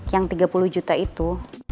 yang tiga puluh juta itu